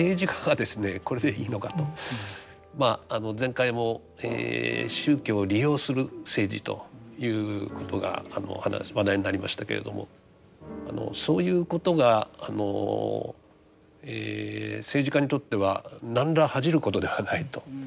まあ前回も宗教を利用する政治ということが話題になりましたけれどもそういうことが政治家にとっては何ら恥じることではないと。